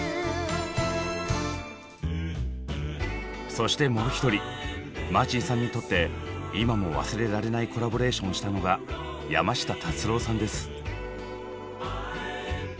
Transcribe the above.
そしてもう一人マーチンさんにとって今も忘れられないコラボレーションをしたのが山下達郎さんです。